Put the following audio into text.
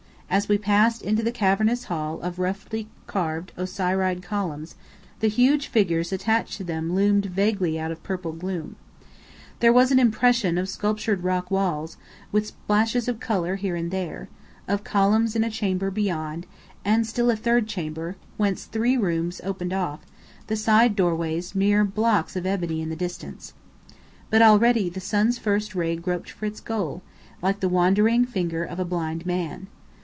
As we passed into the cavernous hall of roughly carved Osiride columns, the huge figures attached to them loomed vaguely out of purple gloom. There was an impression of sculptured rock walls, with splashes of colour here and there; of columns in a chamber beyond, and still a third chamber, whence three rooms opened off, the side doorways mere blocks of ebony in the dimness. But already the sun's first ray groped for its goal, like the wandering finger of a blind man.